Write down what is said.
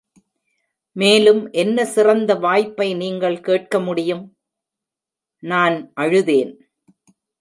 "மேலும் என்ன சிறந்த வாய்ப்பை நீங்கள் கேட்க முடியும்?" நான் அழுதேன்.